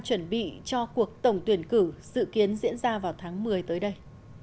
chuẩn bị cho cuộc tổng tuyển cử dự kiến diễn ra vào tháng một mươi tới đây